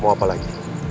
mau apa lagi